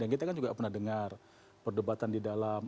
dan kita kan juga pernah dengar perdebatan di dalam